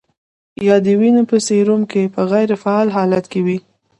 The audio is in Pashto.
یا د وینې په سیروم کې په غیر فعال حالت کې وي.